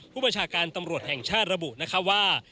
ประชาการตำรวจแห่งชาติระบุนะคะว่า